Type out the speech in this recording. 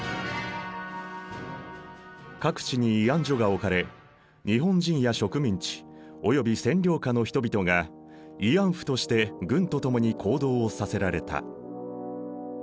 各地に慰安所が置かれ日本人や植民地および占領下の人々が慰安婦として軍と共に行動をさせられた。